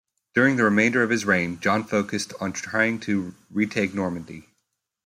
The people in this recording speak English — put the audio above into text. During the remainder of his reign, John focused on trying to retake Normandy.